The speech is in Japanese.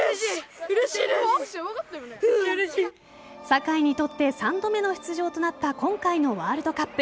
酒井にとって３度目の出場となった今回のワールドカップ。